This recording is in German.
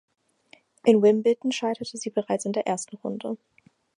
In Wimbledon scheiterte sie bereits in der ersten Runde.